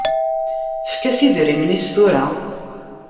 Efk-as idrimen-is tura.